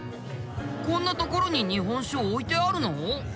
こんなところに日本酒置いてあるの？